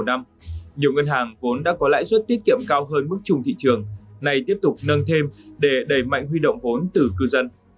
nhiều ngân hàng vốn đã có lãi suất tiết kiệm cao hơn mức chung thị trường này tiếp tục nâng thêm để đẩy mạnh huy động vốn từ cư dân